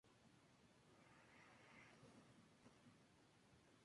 Se puede impedir el acceso a los pensamientos y a los sentimientos.